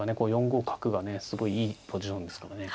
４五角がねすごいいいポジションですからね。